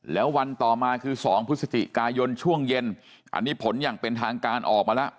แล้ววันต่อมาคือ๒พฤศจิกายนช่วงเย็นอันนี้ผลอย่างเป็นทางการออกมาแล้ว